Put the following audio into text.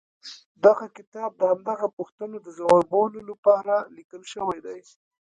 دغه کتاب د همدغو پوښتنو د ځوابولو لپاره ليکل شوی دی.